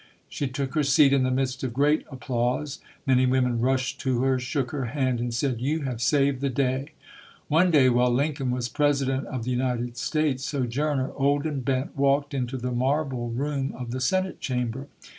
She took her seat in the midst of great applause. Many women rushed to her, shook her hand and said, "You have saved the day". One day while Lincoln was President of the United States, Sojourner, old and bent, walked into the marble room of the Senate Chamber.